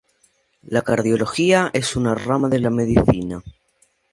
La cardiología es una rama de la medicina.